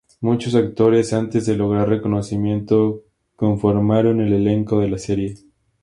Muchos actores, antes de lograr reconocimiento, conformaron el elenco de la serie.